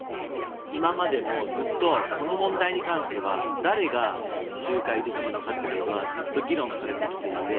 今までもずっとこの問題に関しては誰が仲介できるのかってことはずっと議論されてきていて